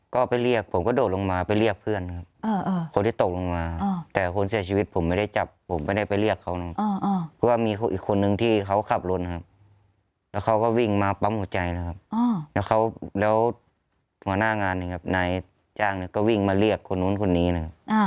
ก็ไปเรียกผมกระโดดลงมาไปเรียกเพื่อนครับคนที่ตกลงมาแต่คนเสียชีวิตผมไม่ได้จับผมไม่ได้ไปเรียกเขานะเพราะว่ามีอีกคนนึงที่เขาขับรถครับแล้วเขาก็วิ่งมาปั๊มหัวใจนะครับแล้วหัวหน้างานนะครับนายจ้างเนี่ยก็วิ่งมาเรียกคนนู้นคนนี้นะครับ